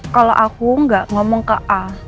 kalau aku enggak ngomong ke al